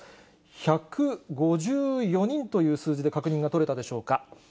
１５４人という数字で確認が取れたでしょうか。